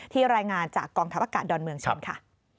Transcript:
รายงานจากกองทัพอากาศดอนเมืองเชิญค่ะ